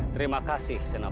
terima kasih senapati